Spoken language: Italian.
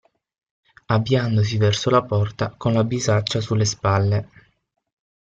Avviandosi verso la porta con la bisaccia sulle spalle.